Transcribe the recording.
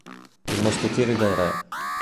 I moschettieri del re